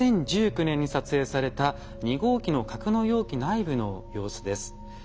２０１９年に撮影された２号機の格納容器内部の様子です。